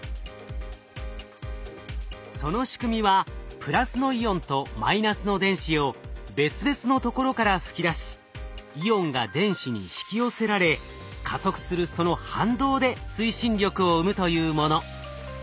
その仕組みはプラスのイオンとマイナスの電子を別々のところから吹き出しイオンが電子に引き寄せられ加速するその反動で推進力を生むというもの。